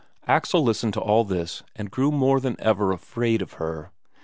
Axel listened to all this and grew more than ever afraid of her.